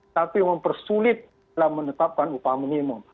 tapi mempersulit dalam menetapkan upah minimum